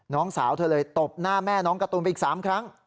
น้องสาวเธอเลยตบหน้าแม่น้องการ์ตูนไปอีก๓ครั้ง